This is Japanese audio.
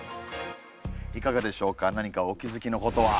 いかがでしょうか何かお気付きのことは？